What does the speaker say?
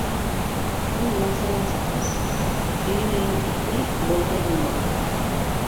Ул, мунсанан сыҡҡас, өйөнә инеп китмәй, болдорона ултырҙы.